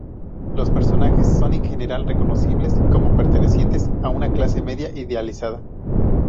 Los personajes son en general reconocibles como pertenecientes a una clase media idealizada.